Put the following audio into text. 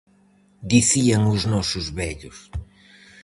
"Dicían os nosos vellos...".